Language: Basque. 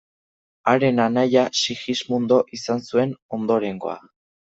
Haren anaia Sigismundo izan zuen ondorengoa.